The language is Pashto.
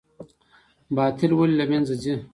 باطل ولې له منځه ځي؟